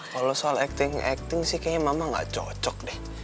kalau soal acting acting sih kayaknya mama gak cocok deh